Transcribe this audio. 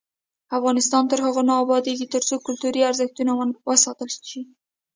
افغانستان تر هغو نه ابادیږي، ترڅو کلتوري ارزښتونه وساتل شي.